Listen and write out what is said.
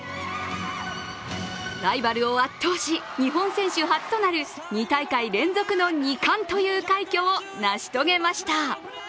ライバルを圧倒し日本選手初となる２大会連続の２冠という快挙を成し遂げました。